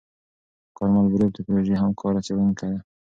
کارمل بروف د پروژې همکاره څېړونکې ده.